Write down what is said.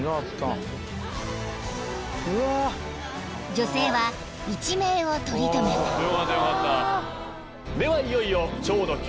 ［女性は一命を取り留めた］ではいよいよ超ド級！